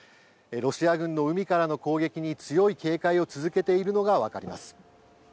ロシア軍の海からの攻撃に強い警戒を続けているのが分かります。